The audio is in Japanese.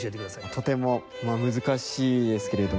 とても難しいですけれど。